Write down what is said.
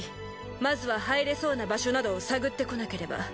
まずは入れそうな場所などを探ってこなければ。